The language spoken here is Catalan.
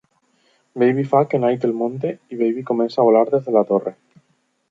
Baby fa que Knight el munti i Baby comença a volar des de la Torre.